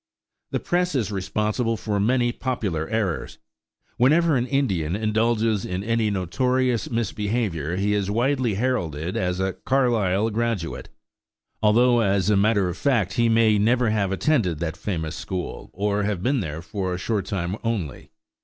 The press is responsible for many popular errors. Whenever an Indian indulges in any notorious misbehavior, he is widely heralded as a "Carlisle graduate," although as a matter of fact he may never have attended that famous school, or have been there for a short time only.